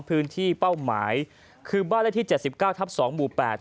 พื้นที่เป้าหมายคือบ้านไดที่เจสิบเก้าทับสองหมู่แปด